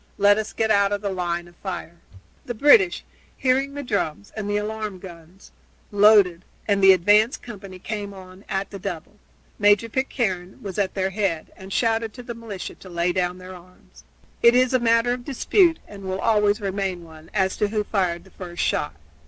"Let us get out of the line of fire." The British, hearing the drums and the alarm guns, loaded, and the advance company came on at the double. Major Pitcairne was at their head and shouted to the militia to lay down their arms. It is a matter of dispute, and will always remain one, as to who fired the first shot.